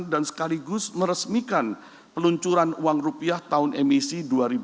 dan sekaligus meresmikan peluncuran uang rupiah tahun emisi dua ribu enam belas